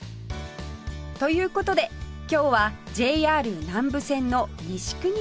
という事で今日は ＪＲ 南武線の西国立へ